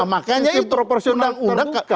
makanya ini proporsional terbuka